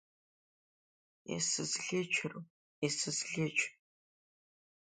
Исызӷьычру, исызӷьыч?!